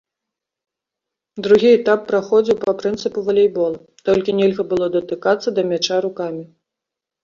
Другі этап праходзіў па прынцыпу валейбола, толькі нельга было датыкацца да мяча рукамі.